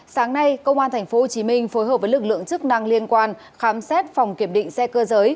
sáng nay công an tp hcm phối hợp với lực lượng chức năng liên quan khám xét phòng kiểm định xe cơ giới